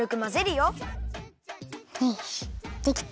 よしできた。